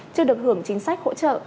chưa được hưởng chính sách hỗ trợ